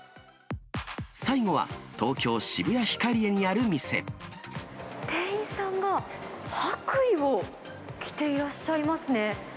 最後は、東京・渋谷ヒカリエにあ店員さんが白衣を着ていらっしゃいますね。